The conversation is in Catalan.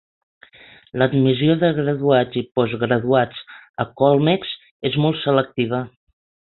L'admissió de graduats i postgraduats a Colmex és molt selectiva.